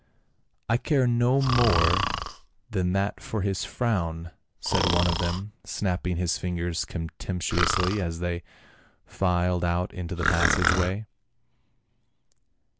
" I care no more than that for his frown," said one of them, snapping his fingers contemptuously as they filed out into the passage way.